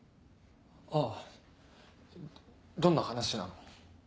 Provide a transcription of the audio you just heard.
あぁどんな話なの？